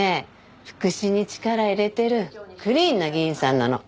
福祉に力入れてるクリーンな議員さんなの。